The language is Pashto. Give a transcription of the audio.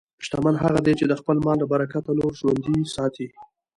شتمن هغه دی چې د خپل مال له برکته نور ژوندي ساتي.